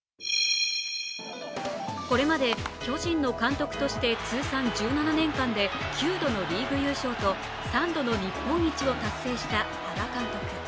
これまで巨人の監督として通算１７年間で９度のリーグ優勝と３度の日本一を達成した原監督。